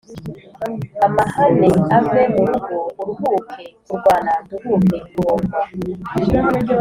Amahane ave mu rugo Uruhuke kurwana Nduhuke guhondwa.